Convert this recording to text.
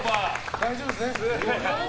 大丈夫ですね。